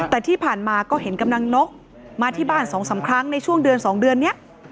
แต่ที่ผ่านมาก็เห็นกำลังนกมาที่บ้าน๒๓ครั้งในช่วงเดือน๒เดือนนี้